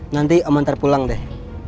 nanti om hantar pulang deh